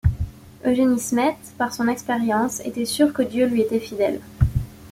Eugénie Smet, par son expérience était sûre que Dieu lui était fidèle.